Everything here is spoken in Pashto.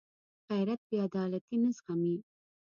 غیرت بېعدالتي نه زغمي